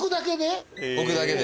置くだけで？